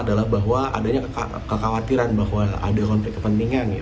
adalah bahwa adanya kekhawatiran bahwa ada konflik kepentingan